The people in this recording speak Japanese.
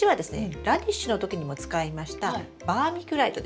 ラディッシュの時にも使いましたバーミキュライトです。